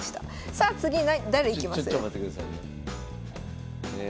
さあ次誰いきます？